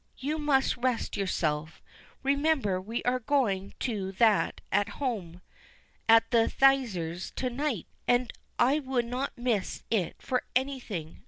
You must rest yourself. Remember we are going to that 'at home,' at the Thesigers' to night, and I would not miss it for anything.